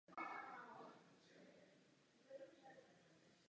V témž roce doběhl druhý na světovém atletickém finále ve Stuttgartu.